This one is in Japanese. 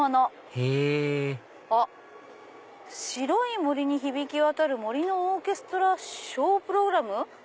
へぇ「白い森に響き渡る『森のオーケストラ』ショープログラム」？